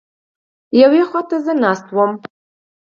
یوې خوا ته زه ناست وم.